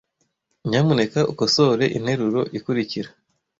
Nyamuneka ukosore interuro ikurikira.